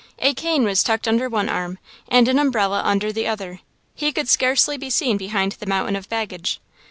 A cane was tucked under one arm and an umbrella under the other. He could scarcely be seen behind the mountain of baggage.